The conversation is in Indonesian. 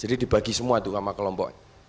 jadi dibagi semua tuh sama kelompok